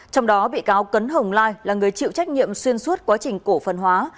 trong đó bị cáo cấn hồng lai là người chịu trách nhiệm xuyên suốt quá trình cổ phần hóa